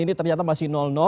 ini ternyata masih